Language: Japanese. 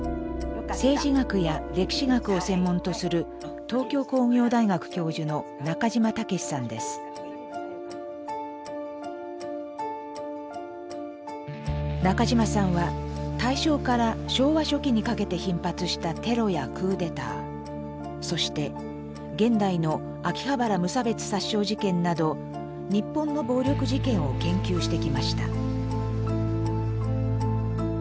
政治学や歴史学を専門とする東京工業大学教授の中島さんは大正から昭和初期にかけて頻発したテロやクーデターそして現代の秋葉原無差別殺傷事件など日本の暴力事件を研究してきました。